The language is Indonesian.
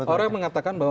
orang mengatakan bahwa